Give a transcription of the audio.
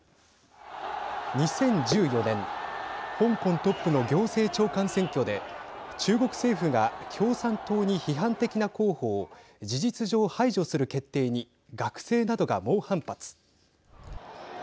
２０１４年香港トップの行政長官選挙で中国政府が共産党に批判的な候補を事実上、排除する決定に学生などが猛反発。